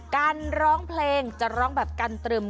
การร้องเพลงจะร้องแบบกันตรึม